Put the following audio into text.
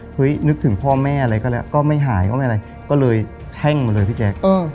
นึกถึงพ่อแม่อะไรก็แล้วก็ไม่หายก็ไม่อะไรก็เลยแช่งมาเลยพี่แจ๊ค